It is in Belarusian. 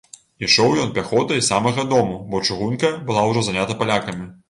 Ішоў ён пяхотай з самага дому, бо чыгунка была ўжо занята палякамі.